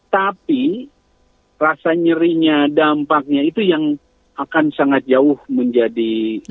tapi rasa nyerinya dampaknya itu yang akan sangat jauh menjadi